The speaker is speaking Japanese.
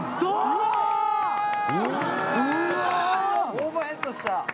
オーバーヘッドした。